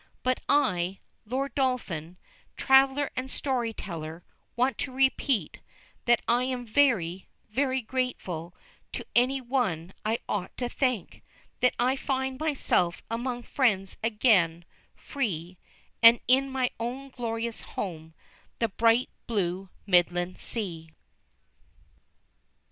But I, Lord Dolphin, traveller and story teller, want to repeat, that I am very, very grateful to any One I ought to thank, that I find myself among friends again, free, and in my own glorious home, the bright blue Midland Sea.